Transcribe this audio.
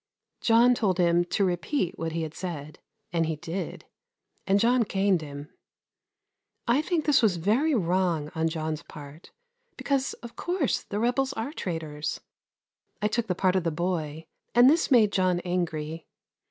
John told him to repeat what he had said, and he did, and John caned him. I think this was very wrong on John's part, because, of course, the rebels are traitors. I took the part of the boy, and this made John angry.